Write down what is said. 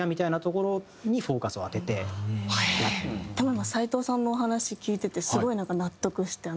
今斎藤さんのお話聞いててスゴいなんか納得して。